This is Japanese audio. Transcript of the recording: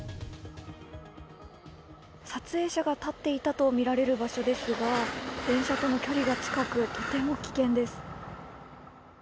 撮影者が立っていたとみられる場所ですが電車との距離が近くとても危険です。